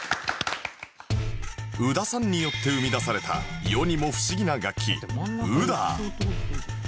宇田さんによって生み出された世にも不思議な楽器ウダー